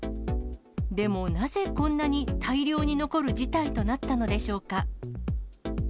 でも、なぜこんなに大量に残る事態となったのでしょうか。